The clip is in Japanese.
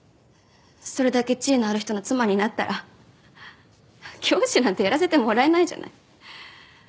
それだけ地位のある人の妻になったら教師なんてやらせてもらえないじゃない。